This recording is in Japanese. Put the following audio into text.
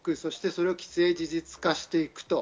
それを既成事実化していくと。